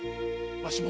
わしも。